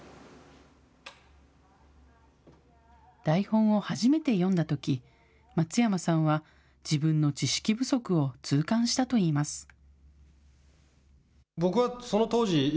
台本を初めて読んだとき、松山さんは、自分の知識不足を痛感したといいます。